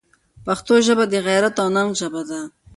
پښتو ژبه د غیرت او ننګ ژبه ده.